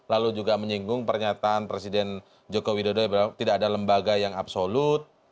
lalu juga menyinggung pernyataan presiden joko widodo tidak ada lembaga yang absolut